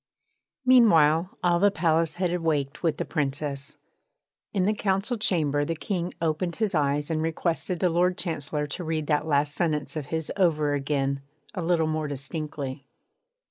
Meanwhile all the palace had awaked with the Princess. In the Council Chamber the King opened his eyes and requested the Lord Chancellor to read that last sentence of his over again a little more distinctly.